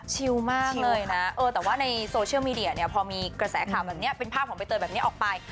ชิลมากเลยนะแต่ว่าในโซเชียลมีเดียเนี่ยพอมีกระแสข่าวแบบนี้เป็นภาพของใบเตยแบบนี้ออกไป